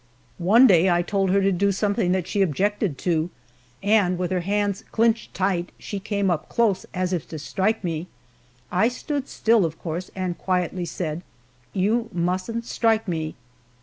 One day I told her to do something that she objected to, and with her hands clinched tight she came up close as if to strike me. I stood still, of course, and quietly said, "You mustn't strike me."